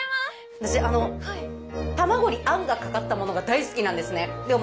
私タマゴにあんがかかったものが大好きなんですね。